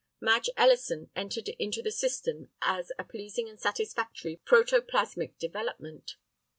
Madge Ellison entered into the system as a pleasing and satisfactory protoplasmic development.